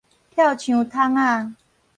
跳牆桶仔